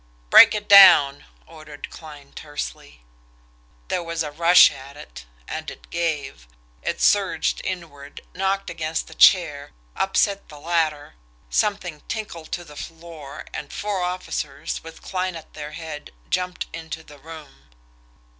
"Break it down!" ordered Kline tersely. There was a rush at it and it gave. It surged inward, knocked against the chair, upset the latter, something tinkled to the floor and four officers, with Kline at their head, jumped into the room.